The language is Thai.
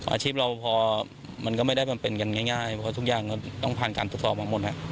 อาชีพเราพอมันก็ไม่ได้มันเป็นกันง่ายเพราะทุกอย่างก็ต้องผ่านการตรวจสอบมาหมดครับ